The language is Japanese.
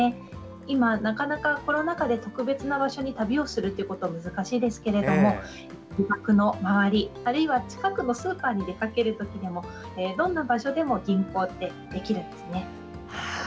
今、なかなかコロナ禍で旅をすることは難しいけれども自宅の周り、あるいは近くのスーパーに出かけるときでもどんな場所でも銀行ってできるんですね。